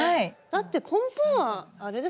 だって根本はあれですもんね